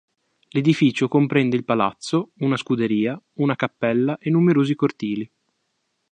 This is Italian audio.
L'edificio comprende il palazzo, una scuderia, una cappella e numerosi cortili.